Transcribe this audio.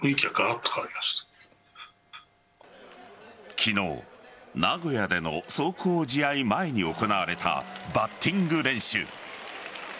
昨日、名古屋での壮行試合前に行われたバッティング練習。